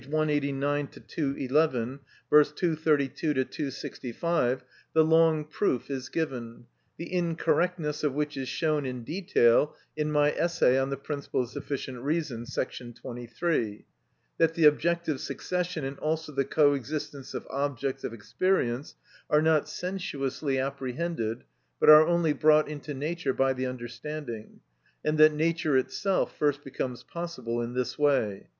189 211; V. 232 265, the long proof is given (the incorrectness of which is shown in detail in my essay on the principle of sufficient reason, § 23) that the objective succession and also the coexistence of objects of experience are not sensuously apprehended, but are only brought into Nature by the understanding, and that Nature itself first becomes possible in this way.